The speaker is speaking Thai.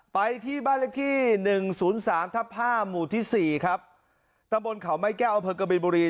ไปที่บ้านหลักที่หนึ่งศูนย์สามทับห้ามูที่สี่ครับตะบลเข่าไม้แก้วเพิงปิงบุรี